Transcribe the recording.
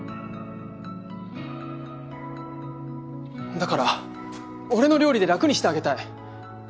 だから俺の料理で楽にしてあげたい。